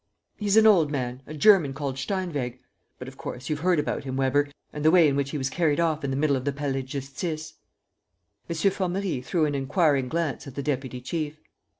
"He's an old man, a German called Steinweg. ... But, of course, you've heard about him, Weber, and the way in which he was carried off in the middle of the Palais de Justice?" M. Formerie threw an inquiring glance at the deputy chief.